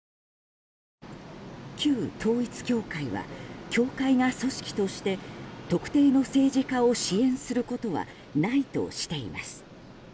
旧統一教会は、教会が組織として特定の政治家を支援することはないとしています。